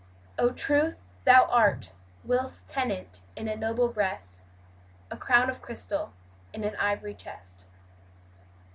"Oh Truth, Thou art, whilst tenant in a noble breast, A crown of crystal in an iv'ry chest."